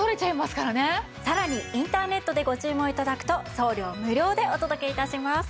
さらにインターネットでご注文頂くと送料無料でお届け致します。